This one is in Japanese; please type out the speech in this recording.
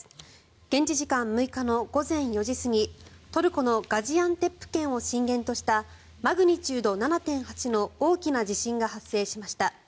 現地時間６日の午前４時過ぎトルコのガジアンテップ県を震源としたマグニチュード７．８の大きな地震が発生しました。